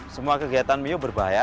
semua kegiatan miu berbahaya